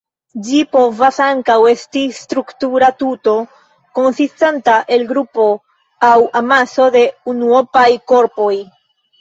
Ĝi povas ankaŭ esti struktura tuto konsistanta el grupo aŭ amaso de unuopaj korpoj.